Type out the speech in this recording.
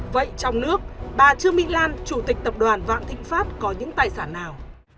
vậy trong nước bà trương mỹ lan chủ tịch tập đoàn vạn thịnh pháp có những tài sản nào